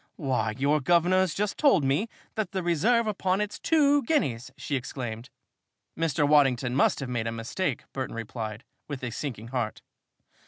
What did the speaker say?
"Why, your guvnor's just told me that the reserve upon it's two guineas!" she exclaimed. "Mr. Waddington must have made a mistake," Burton replied, with a sinking heart.